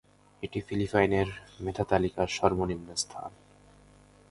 এটি ফিলিপাইনের মেধা তালিকার সর্বনিম্ন স্থান।